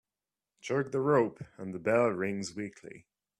Jerk the rope and the bell rings weakly.